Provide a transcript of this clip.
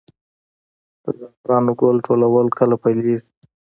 د زعفرانو ګل ټولول کله پیل کیږي؟